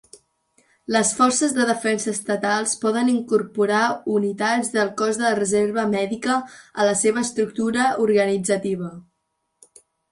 Les forces de defensa estatals poden incorporar unitats del Cos de la Reserva Mèdica a la seva estructura organitzativa.